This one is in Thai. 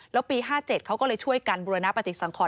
แล้วปี๕๗เขาก็เลยช่วยกันบุรณปฏิสังคร